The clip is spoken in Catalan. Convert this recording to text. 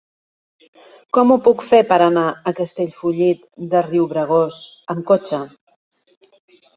Com ho puc fer per anar a Castellfollit de Riubregós amb cotxe?